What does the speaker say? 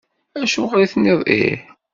Acuɣer i d-tenniḍ ih?